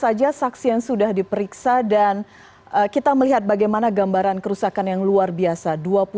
siapa saja saksi yang sudah diperiksa dan kita melihat bagaimana gambaran kerusakan yang luar biasa